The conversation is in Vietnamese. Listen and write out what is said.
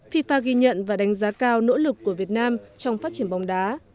fifa ghi nhận và đánh giá cao nỗ lực của việt nam trong phát triển bóng đá